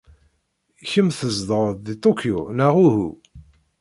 Kemm tzedɣeḍ deg Tokyo, neɣ uhu?